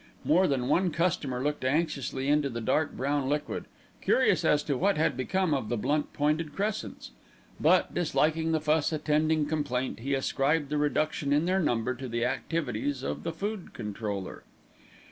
More than one customer looked anxiously into the dark brown liquid, curious as to what had become of the blunt pointed crescents; but, disliking the fuss attending complaint, he ascribed the reduction in their number to the activities of the Food Controller.